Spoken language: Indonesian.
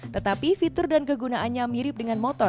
tetapi fitur dan kegunaannya mirip dengan motor